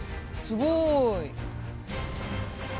すごい。